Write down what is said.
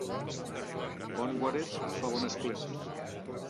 Bon guaret fa bon esplet.